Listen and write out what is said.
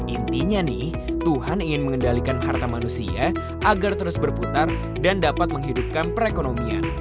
intinya nih tuhan ingin mengendalikan harta manusia agar terus berputar dan dapat menghidupkan perekonomian